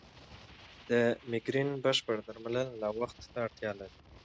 د مېګرین بشپړ درملنه لا وخت ته اړتیا لري.